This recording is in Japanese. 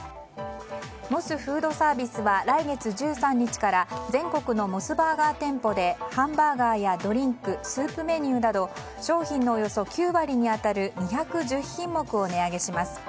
モスフードサービスは来月１３日から全国のモスバーガー店舗でハンバーガーやドリンクスープメニューなど商品のおよそ９割に当たる２１０品目を値上げします。